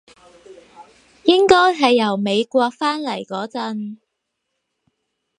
應該係由美國返嚟嗰陣